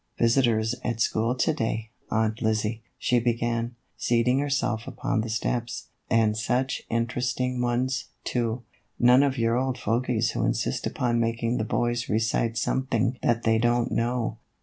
"Visitors at school to day, Aunt Lizzie," she began, seating herself upon the steps, "and such interesting ones, too. None of your old fogies who insist upon making the boys recite something that they don't know."